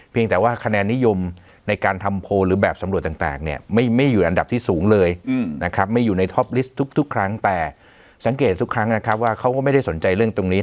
แต่ว่าคะแนนนิยมในการทำโพลหรือแบบสำรวจต่างเนี่ยไม่อยู่อันดับที่สูงเลยนะครับไม่อยู่ในท็อปลิสต์ทุกครั้งแต่สังเกตทุกครั้งนะครับว่าเขาก็ไม่ได้สนใจเรื่องตรงนี้